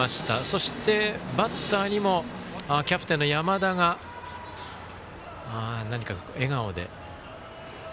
そして、バッターにもキャプテンの山田が何か、笑顔で。